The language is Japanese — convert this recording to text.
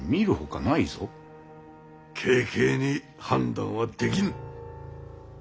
軽々に判断はできぬ。